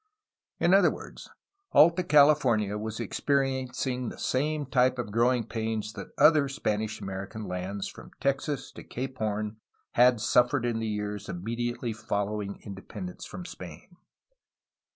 In other words, Alta California was experiencing the same type of growing pains that other Spanish American lands from Texas to Cape Horn had to suffer in the years im 455 456 A HISTORY OF CALIFORNIA mediately following independence from Spain.